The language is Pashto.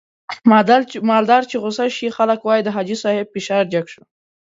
مالدار چې غوسه شي خلک واي د حاجي صاحب فشار جګ شو.